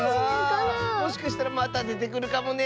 もしかしたらまたでてくるかもね。